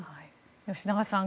吉永さん